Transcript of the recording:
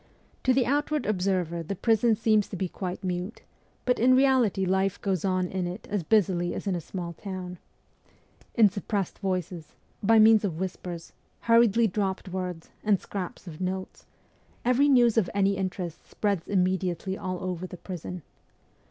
To the outward observer the prison seems to be quite mute ; but in reality life goes on in it as busily as in a small town. In suppressed voices, by means of whispers, hurriedly dropped words, and scraps of notes, every news of any interest spreads immediately all over the prison.